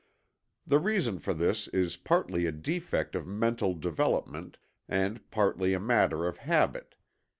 The reason for this is partly a defect of mental development and partly a matter of habit.